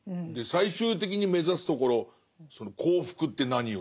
最終的に目指すところその幸福って何よ？ですよね。